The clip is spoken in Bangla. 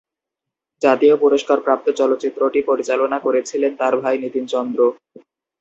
জাতীয় পুরস্কারপ্রাপ্ত চলচ্চিত্রটি পরিচালনা করেছিলেন তার ভাই নিতিন চন্দ্র।